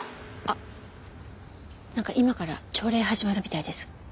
あっなんか今から朝礼始まるみたいです。